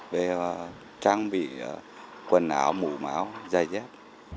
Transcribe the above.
về trang bị quần áo mũ áo giày dép